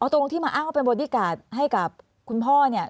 ตรงที่มาอ้างว่าเป็นบอดี้การ์ดให้กับคุณพ่อเนี่ย